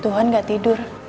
tuhan gak tidur